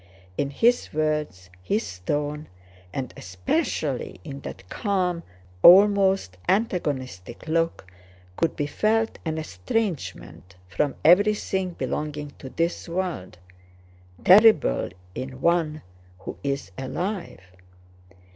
In his words, his tone, and especially in that calm, almost antagonistic look could be felt an estrangement from everything belonging to this world, terrible in one who is alive.